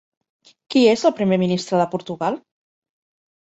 Qui és el primer ministre de Portugal?